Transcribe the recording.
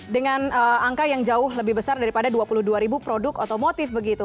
dengan angka yang jauh lebih besar daripada dua puluh dua ribu produk otomotif begitu